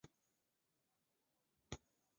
本届决赛实施新赛制。